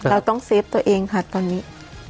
เราต้องเซฟตัวเองค่ะตอนนี้